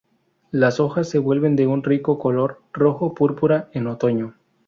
Las hojas se vuelven de un rico color rojo-púrpura en otoño.